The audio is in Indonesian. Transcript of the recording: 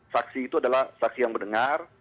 saksi itu adalah saksi yang mendengar